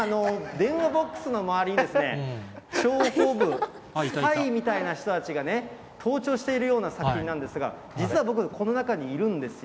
電話ボックスの周りに、諜報部、スパイみたいな人たちがね、盗聴しているような作品なんですが、実は僕、この中にいるんですよ。